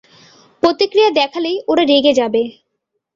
প্রতিক্রিয়া দেখালেই ওরা রেগে যাবে!